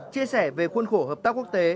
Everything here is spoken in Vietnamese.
chia sẻ về khuôn khổ hợp tác quốc tế